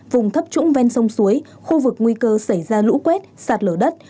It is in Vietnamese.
vùng thấp trũng ven sông suối khu vực nguy cơ xảy ra lũ quét sạt lở đất